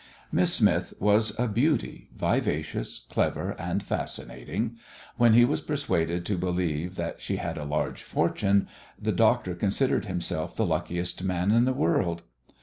Miss Smith was a beauty, vivacious, clever, and fascinating. When he was persuaded to believe that she had a large fortune, the doctor considered himself the luckiest man in the world.